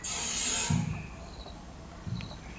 د بریالیتوب تاج یوازي د مستحق په سر نه اېښودل کېږي.